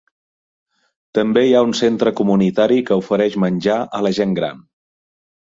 També hi ha un centre comunitari que ofereix menjar a la gent gran.